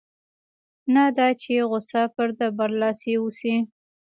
نه دا چې غوسه پر ده برلاسې اوسي.